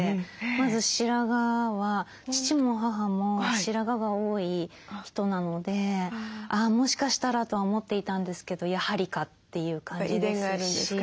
まず白髪は父も母も白髪が多い人なのであもしかしたらとは思っていたんですけどやはりかっていう感じですし。